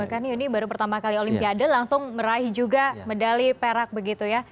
bahkan yuni baru pertama kali olimpiade langsung meraih juga medali perak begitu ya